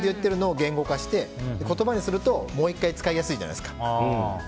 言葉にすると、もう１回使いやすいじゃないですか。